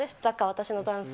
私のダンス。